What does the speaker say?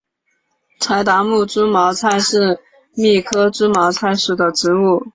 柴达木猪毛菜是苋科猪毛菜属的植物。